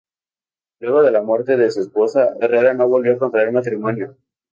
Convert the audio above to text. Luego de la muerte de su esposa, Herrera no volvió a contraer matrimonio.